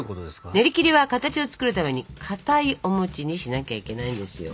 ねりきりは形を作るためにかたいお餅にしなきゃいけないんですよ。